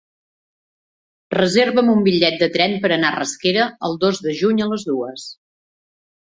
Reserva'm un bitllet de tren per anar a Rasquera el dos de juny a les dues.